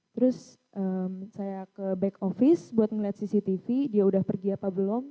terus saya ke back office buat ngelihat cctv dia udah pergi apa belum